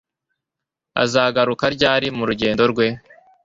Azagaruka ryari mu rugendo rwe